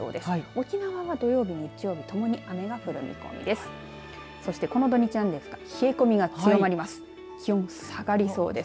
沖縄は土曜日、日曜日ともに雨が降る見込みです。